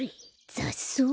ざっそう？